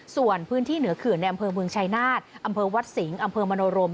ส่วนพื้นที่เหนือเขื่อนในอำเภอเมืองชายนาฏอำเภอวัดสิงห์อำเภอมโนรม